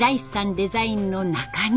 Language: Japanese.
デザインの中庭。